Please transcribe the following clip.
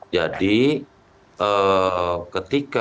jadi ketika kemenangan diraih mandat rakyat didapat